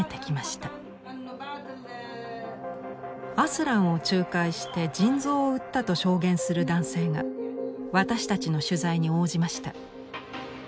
アスランを仲介して腎臓を売ったと証言する男性が私たちの取材に応じました。